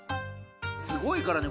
すごいからね